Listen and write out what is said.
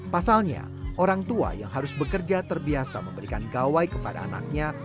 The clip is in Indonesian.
pasalnya orang tua yang harus bekerja terbiasa memberikan gawai kepada anaknya